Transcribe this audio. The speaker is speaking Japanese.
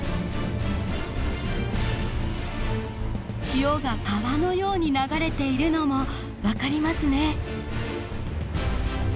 潮が川のように流れているのも分かりますね。